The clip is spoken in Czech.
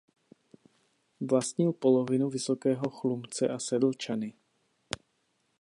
Vlastnil polovinu Vysokého Chlumce a Sedlčany.